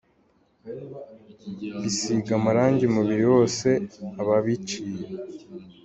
bisiga amarangi umubiri wose, ababiciye